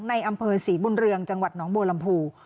ในอำเภอศรีบุญเรืองจังหวัดหนองโบรัมภู